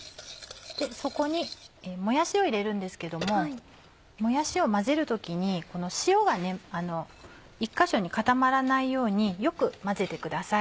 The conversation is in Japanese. そこにもやしを入れるんですけどももやしを混ぜる時にこの塩が１か所に固まらないようによく混ぜてください。